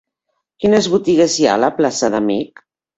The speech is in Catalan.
Quines botigues hi ha a la plaça d'Amich?